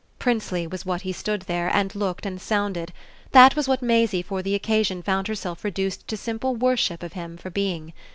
Princely was what he stood there and looked and sounded; that was what Maisie for the occasion found herself reduced to simple worship of him for being.